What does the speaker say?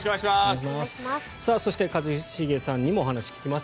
そして、一茂さんにもお話を聞きます。